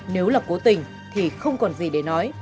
nếu là cố tình thì không còn gì để nói